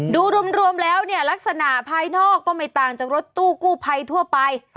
ดูรวมแล้วเนี่ยลักษณะภายนอกก็ไม่ต่างจากรถตู้กู้ภัยทั่วไป